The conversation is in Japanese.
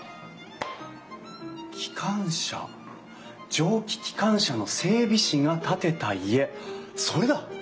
蒸気機関車の整備士が建てた家それだ！